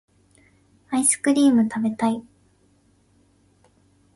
アイスクリームたべたい